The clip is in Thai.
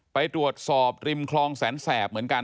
ไปตรวจสอบริมคลองแสนแสบเหมือนกัน